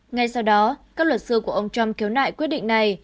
ngay sau đó các luật sư của ông trump khiếu nại quyết định này